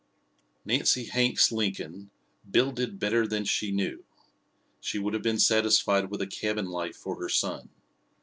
Nancy Hanks Lincoln "builded better than she knew." She would have been satisfied with a cabin life for her son.